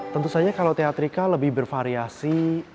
tentu saja kalau teatrika lebih bervariasi